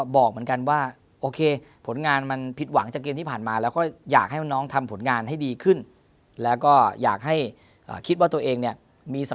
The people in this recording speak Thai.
ส่วนผลิตหลังเกมนี้